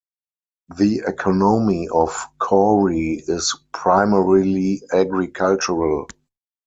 The economy of Koori is primarily agricultural.